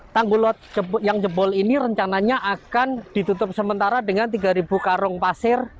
tanggul laut yang jebol ini rencananya akan ditutup sementara dengan tiga karung pasir